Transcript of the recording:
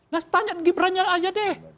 nah tanya gibran nya aja deh